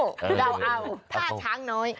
เราเอาผ้าช้างน้อย